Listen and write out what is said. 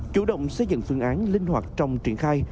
chủ động xây dựng phương án linh hoạt trong triển khai